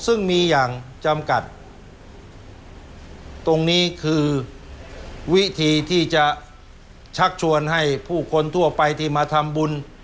ซึ่งมีอย่างจำกัดตรงนี้คือวิธีที่จะชักชวนให้ผู้คนทั่วไปที่มาทำบุญ